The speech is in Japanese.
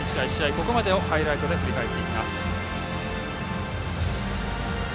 ここまでをハイライトで振り返っていきます。